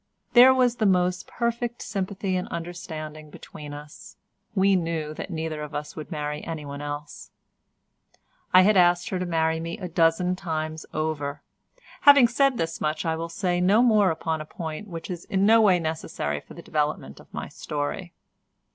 There was the most perfect sympathy and understanding between us; we knew that neither of us would marry anyone else. I had asked her to marry me a dozen times over; having said this much I will say no more upon a point which is in no way necessary for the development of my story.